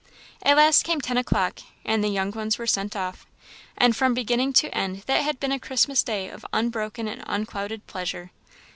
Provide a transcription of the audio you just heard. At last came ten o'clock, and the young ones were sent off; and from beginning to end that had been a Christmas day of unbroken and unclouded pleasure.